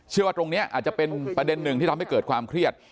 ว่าตรงนี้อาจจะเป็นประเด็นหนึ่งที่ทำให้เกิดความเครียด